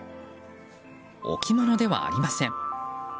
置物ではありません。